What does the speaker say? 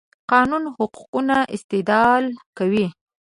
قانوني حقوقو استدلال کوي.